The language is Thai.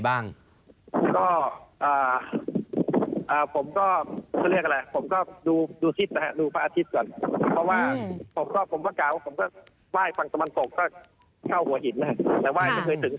บังเกินขึ้นมีช่วงหนึ่งบังเกินขึ้น